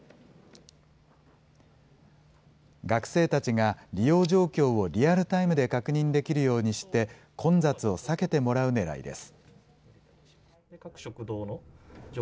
学生たちが利用状況をリアルタイムで確認できるようにして、混雑を避けてもらうねらいです。